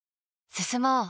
進もう。